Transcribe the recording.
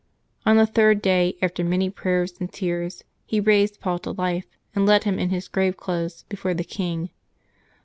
On the third day, after many prayers and tears, he raised Paul to life, and led him in his grave clothes before the king.